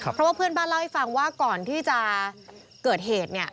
เพราะว่าเพื่อนบ้านเล่าให้ฟังว่าก่อนที่จะเกิดเหตุเนี่ย